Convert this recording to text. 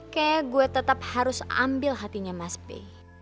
kayak gue tetap harus ambil hatinya mas bi